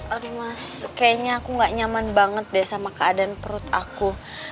aduh mas kayaknya aku gak nyaman banget deh sama keadaan perut aku